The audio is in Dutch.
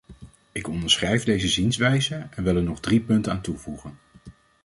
Ik onderschrijf deze zienswijze en wil er nog drie punten aan toevoegen.